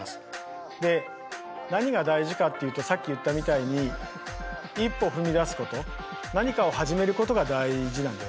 で何が大事かっていうとさっき言ったみたいに一歩踏み出すこと何かを始めることが大事なんだよね。